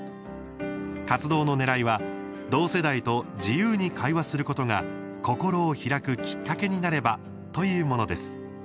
活動のねらいは同世代と自由に会話することが心を開くきっかけになればというものです。